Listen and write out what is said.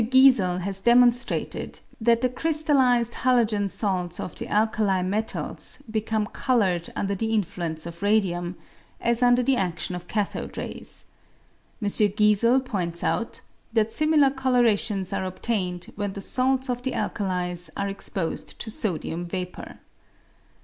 Giesel has demonstrated that the crystallised halogen salts of the alkali metals become coloured under the in fluence of radium, as under the adion of cathode rays. M. Giesel points out that similar colourations are obtained when the salts of the alkalis are exposed to sodium vapour.